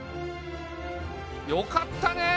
よかったねえ！